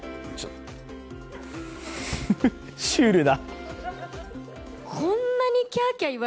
シュールだ。